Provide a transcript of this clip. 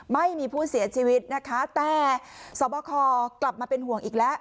ไม่มีผู้เสียชีวิตนะคะแต่สวบคกลับมาเป็นห่วงอีกแล้ว